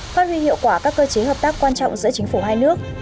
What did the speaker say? phát huy hiệu quả các cơ chế hợp tác quan trọng giữa chính phủ hai nước